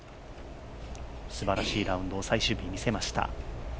すばらしいラウンドを最終日、見せました。